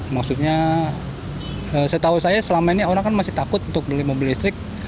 maksudnya setahu saya selama ini orang kan masih takut untuk beli mobil listrik